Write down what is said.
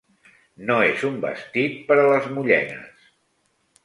No és un vestit pera les mullenes